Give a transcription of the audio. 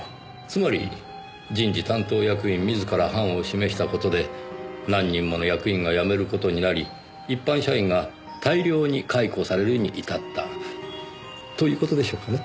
つまり人事担当役員自ら範を示した事で何人もの役員が辞める事になり一般社員が大量に解雇されるに至ったという事でしょうかね？